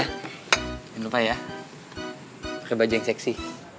jangan lupa ya pake baju yang seksi